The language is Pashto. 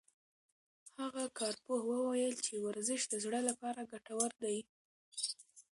هغه کارپوه وویل چې ورزش د زړه لپاره ګټور دی.